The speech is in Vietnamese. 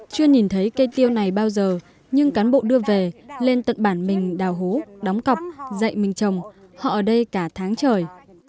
chưa nhìn thấy cây tiêu này bao giờ nhưng cán bộ đưa về lên tận bản mình đào hố đóng cọc dạy mình trồng họ ở đây cả tháng trời